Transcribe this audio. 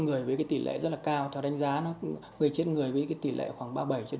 người với tỷ lệ rất là cao theo đánh giá nó gây chết người với tỷ lệ khoảng ba mươi bảy bốn mươi